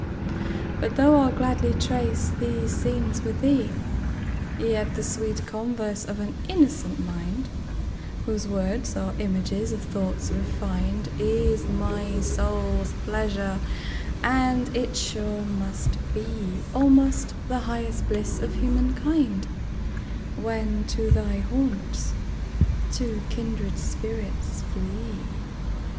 But though I'll gladly trace these scenes with thee, Yet the sweet converse of an innocent mind, Whose words are images of thoughts refin'd, Is my soul's pleasure; and it sure must beAlmost the highest bliss of human kind, When to thy haunts two kindred spirits flee.